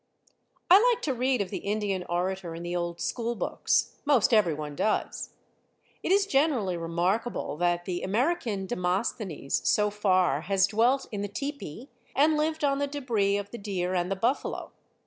I like to read of the Indian orator in the old school books. Most everyone does. It is generally remarkable that the American Demosthenes, so far, has dwelt in the tepee, and lived on the debris of the deer and the buffalo.